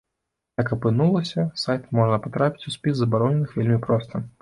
Як апынулася, сайт можа патрапіць у спіс забароненых вельмі проста.